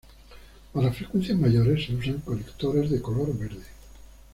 Para frecuencias mayores se usan conectores de color verde.